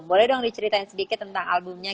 boleh dong diceritain sedikit tentang albumnya